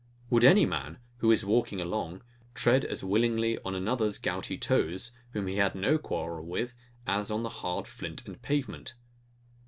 Would any man, who is walking along, tread as willingly on another's gouty toes, whom he has no quarrel with, as on the hard flint and pavement?